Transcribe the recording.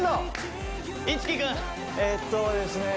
えーとですね